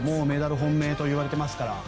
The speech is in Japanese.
メダル本命と言われています。